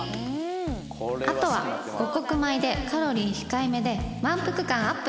あとは五穀米でカロリー控えめで満腹感アップ！